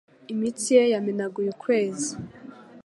Imitsi ye yamenaguye ukwezi,